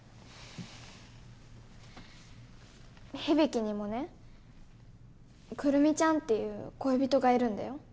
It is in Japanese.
響にもね来美ちゃんっていう恋人がいるんだよ。